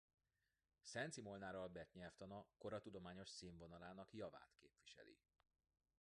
Szenczi Molnár Albert nyelvtana kora tudományos színvonalának javát képviseli.